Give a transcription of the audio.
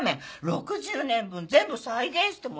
６０年分全部再現してもらうんだから。